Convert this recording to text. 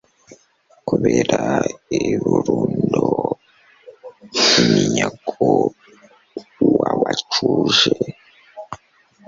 kubera ibirundo by’iminyago wabacuje